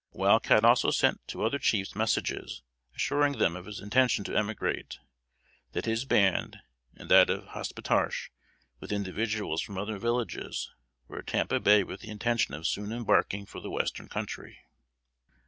Wild Cat also sent to other chiefs messages, assuring them of his intention to emigrate; that his band, and that of Hospetarche, with individuals from other villages, were at Tampa Bay with the intention of soon embarking for the Western Country.